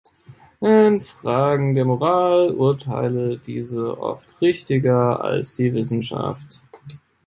In Fragen der Moral urteile dieser oft richtiger als die Wissenschaft.